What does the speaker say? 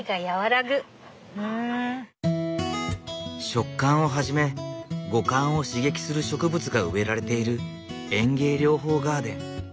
触感をはじめ五感を刺激する植物が植えられている園芸療法ガーデン。